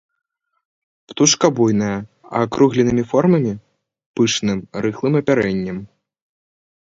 Птушка буйная, а акругленымі формамі, пышным, рыхлым апярэннем.